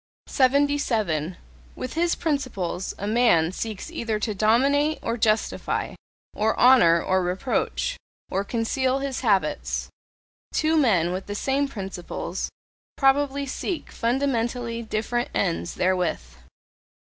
77. With his principles a man seeks either to dominate, or justify, or honour, or reproach, or conceal his habits: two men with the same principles probably seek fundamentally different ends therewith.